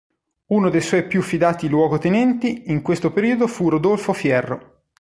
Uno dei suoi più fidati luogotenenti in questo periodo fu Rodolfo Fierro.